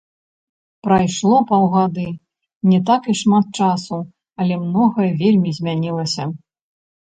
Прайшло паўгады, не так і шмат часу, але многае вельмі змянілася.